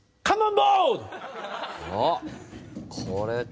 あっこれか。